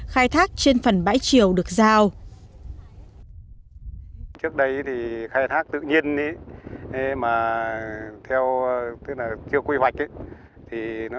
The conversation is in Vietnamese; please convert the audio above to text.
khai thác trên phần bãi triều được giao